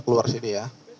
keluar sini ya